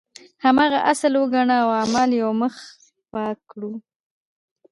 هماغه اصل وګڼو او اعمال یو مخ پاک کړو.